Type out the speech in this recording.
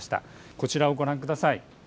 こちらをご覧ください。